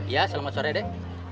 ya selamat sore deh